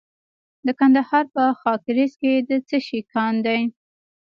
د کندهار په خاکریز کې د څه شي کان دی؟